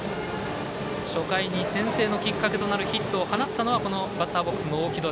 初回に先制のきっかけとなるヒットを放ったのはバッターボックスの大城戸。